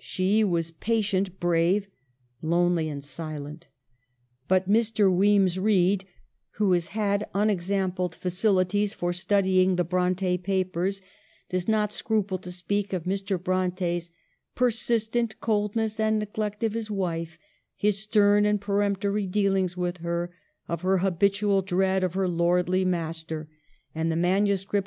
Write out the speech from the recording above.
She was patient, brave, lonely, and silent. But Mr. Wemyss Reid, who has had unexampled facili ties for studying the Bronte papers, does not scruple to speak of Mr. Bronte's "persistent coldness and neglect" of his wife, his "stern and peremptory " dealings with her, of her " habitual dread of her lordly master ;" and the manuscript 22 EMILY BRONTE.